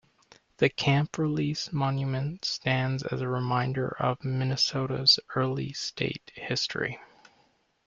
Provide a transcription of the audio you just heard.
The Camp Release Monument stands as a reminder of Minnesota's early state history.